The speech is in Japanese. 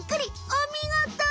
おみごと！